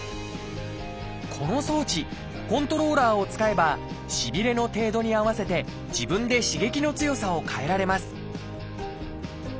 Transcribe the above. この装置コントローラーを使えばしびれの程度に合わせて自分で刺激の強さを変えられます